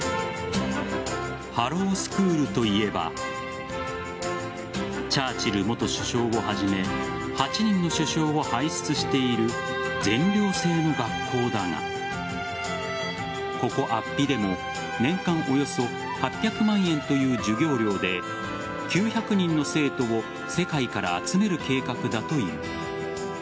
ハロウ・スクールといえばチャーチル元首相をはじめ８人の首相を輩出している全寮制の学校だがここ、安比でも年間およそ８００万円という授業料で９００人の生徒を世界から集める計画だという。